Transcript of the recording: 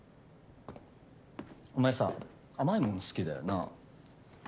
お前さ甘いもん好きだよな。